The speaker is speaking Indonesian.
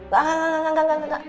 gak gak gak gak gak gak